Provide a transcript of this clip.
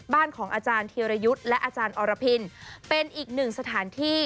บ้านของอาจารย์ธีรยุทธ์และอาจารย์อรพินเป็นอีกหนึ่งสถานที่